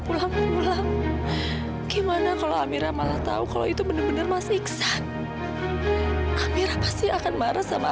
pulang gimana kalau amira malah tahu kalau itu bener bener masih amira pasti akan marah sama